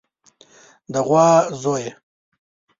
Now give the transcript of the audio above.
د غوا زويه.